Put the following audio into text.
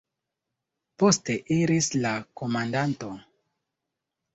Poste iris la komandanto.